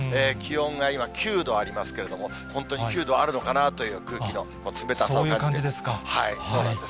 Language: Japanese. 気温が今９度ありますけれども、本当に９度あるのかなという空気の冷たさを感じて。